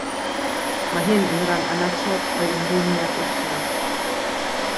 Mae hyn yn rhan annatod o'i ymrwymiad i'r swydd